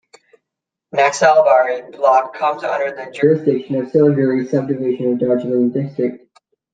Naxalbari block comes under the jurisdiction of Siliguri subdivision of Darjeeling district.